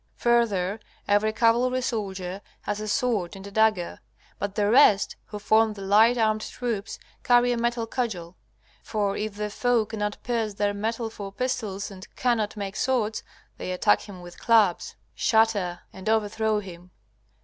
Further, every cavalry soldier has a sword and a dagger. But the rest, who form the light armed troops, carry a metal cudgel. For if the foe cannot pierce their metal for pistols and cannot make swords, they attack him with clubs, shatter and overthrow him.